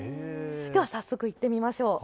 では早速、いってみましょう。